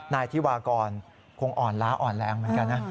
นายธิวากรคงอ่อนล้าอ่อนแรงเหมือนกันนะ